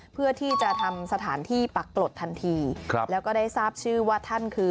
เพื่อที่จะทำสถานที่ปักปลดทันทีครับแล้วก็ได้ทราบชื่อว่าท่านคือ